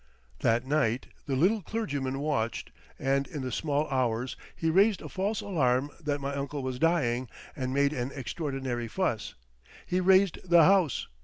That night the little clergyman watched, and in the small hours he raised a false alarm that my uncle was dying, and made an extraordinary fuss. He raised the house.